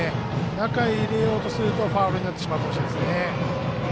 中へ入れようとするとファウルになってしまうかもしれないですね。